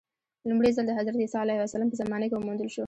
لومړی ځل د حضرت عیسی علیه السلام په زمانه کې وموندل شو.